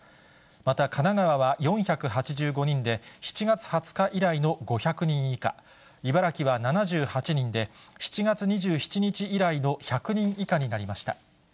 また、神奈川は４８５人で、７月２０日以来の５００人以下、茨城は７８人で７月２７日以来の１００人以下になりました。